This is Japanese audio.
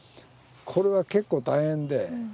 これは結構大変で。